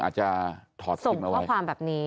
อาจจะถอดสิ้นมาไว้ส่งข้อความแบบนี้